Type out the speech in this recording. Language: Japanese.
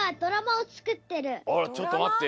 ちょっとまって。